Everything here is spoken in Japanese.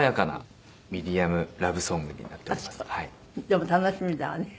でも楽しみだわね。